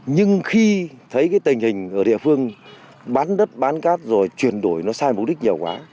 nhưng khi thấy cái tình hình ở địa phương bán đất bán cát rồi chuyển đổi nó sai mục đích nhiều quá